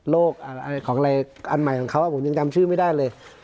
อะไรของอะไรอันใหม่ของเขาผมยังจำชื่อไม่ได้เลย